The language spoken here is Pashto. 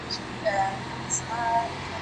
دا مېوه ډېره ښه ده.